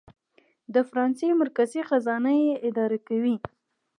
د فرانسې مرکزي خزانه یې اداره کوي.